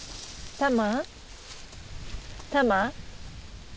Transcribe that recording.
タマ。